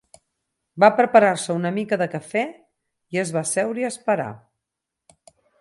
Va preparar-se una mica de cafè i es va asseure a esperar.